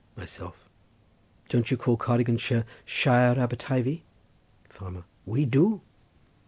Myself.—Don't you call Cardiganshire Shire Aber Teivi? Farmer.—We do.